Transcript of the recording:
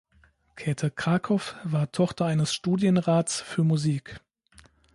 Käte Krakow war Tochter eines Studienrats für Musik.